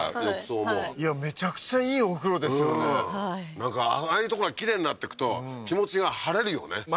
浴槽もいやめちゃくちゃいいお風呂ですよねなんかああいうとこがきれいになっていくと気持ちが晴れるよね